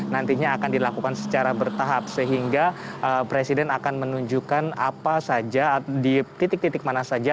nantinya akan dilakukan secara bertahap sehingga presiden akan menunjukkan apa saja di titik titik mana saja